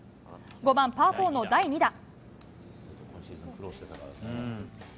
５番パーフォーの第２打。